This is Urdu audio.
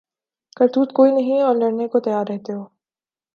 کرتوت کوئی نہیں اور لڑنے کو تیار رہتے ہو